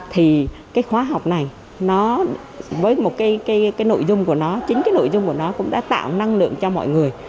thì cái khóa học này nó với một cái nội dung của nó chính cái nội dung của nó cũng đã tạo năng lượng cho mọi người